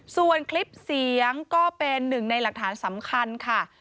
ส่วนคลิปเสียงก็เป็นหนึ่งในหลักฐานสำคัญค่ะ